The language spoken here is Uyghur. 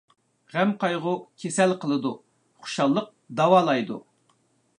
غەم-قايغۇ كېسەل قىلىدۇ، خۇشاللىق داۋالايدۇ.